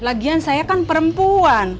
lagian saya kan perempuan